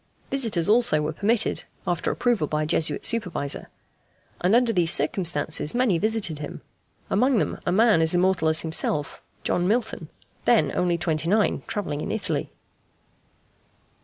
Visitors also were permitted, after approval by a Jesuit supervisor; and under these circumstances many visited him, among them a man as immortal as himself John Milton, then only twenty nine, travelling in Italy.